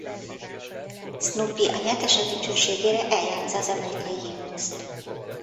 Snoopy a nyertesek dicsőségére eljátssza az amerikai himnuszt.